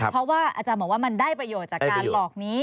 เพราะว่าอาจารย์บอกว่ามันได้ประโยชน์จากการหลอกนี้